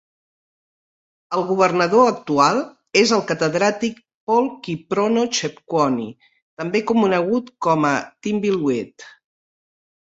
El governador actual és el Catedràtic Paul Kiprono Chepkwony, també conegut com a "Timbilwet".